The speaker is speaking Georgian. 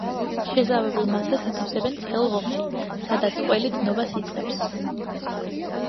შეზავებულ მასას ათავსებენ ცხელ ღომში, სადაც ყველი დნობა იწყებს.